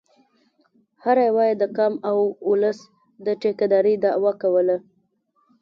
هر یوه یې د قام او اولس د ټیکه دارۍ دعوه کوله.